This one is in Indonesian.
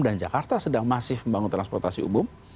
dan jakarta sedang masih membangun transportasi umum